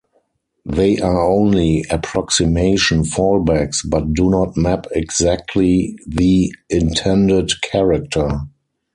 They are only approximation fallbacks but do not map exactly the intended character.